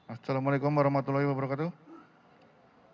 assalamu'alaikum warahmatullahi wabarakatuh